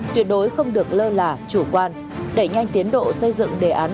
tuyệt đối không được lơ là chủ quan đẩy nhanh tiến độ xây dựng đề án